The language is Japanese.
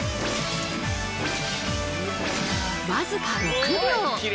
僅か６秒。